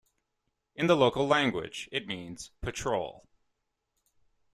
In the local language it means "patrol".